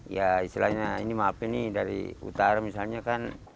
ya istilahnya ini maafin nih dari utara misalnya kan